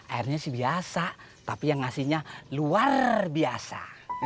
airnya sih biasa tapi yang ngasihnya luar biasa